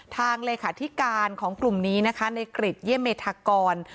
ทางเลยค่ะที่การของกลุ่มนี้ในกริจเยี่ยมเมธากร